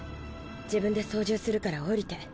自分で操縦するから降りて。